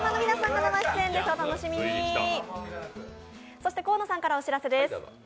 そして河野さんからお知らせです。